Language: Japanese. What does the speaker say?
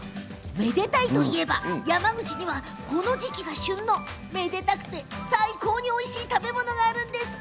めでたいといえば山口にはこの時期が旬のめでたくて最高においしい食べ物があるんです。